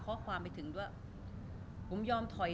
รูปนั้นผมก็เป็นคนถ่ายเองเคลียร์กับเรา